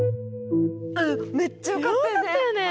うんめっちゃよかったよね。